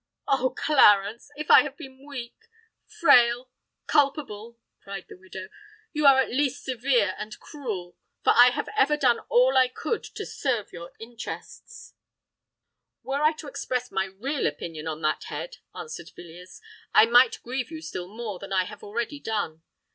"Oh! Clarence—if I have been weak—frail—culpable," cried the widow, "you are at least severe and cruel; for I have ever done all I could to serve your interests." "Were I to express my real opinion on that head," answered Villiers, "I might grieve you still more than I have already done.